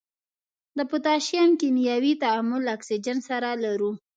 د پوتاشیم کیمیاوي تعامل له اکسیجن سره لرو.